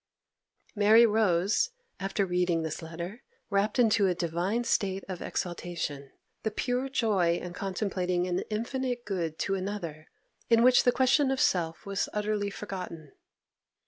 Mary rose after reading this letter wrapped into a divine state of exaltation,—the pure joy in contemplating an infinite good to another, in which the question of self was utterly forgotten.